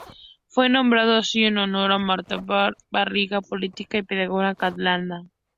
Fue nombrado así en honor a Marta Mata i Garriga, política y pedagoga catalana.